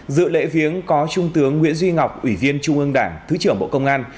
dự lễ viếng có trung tướng nguyễn duy ngọc ủy viên trung ương đảng thứ trưởng bộ công an